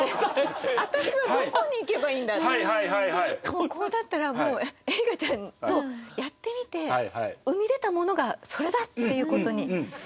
もうこうなったら絵梨花ちゃんとやってみて生み出たものがそれだっていうことに。